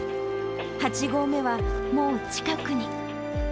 ８合目はもう近くに。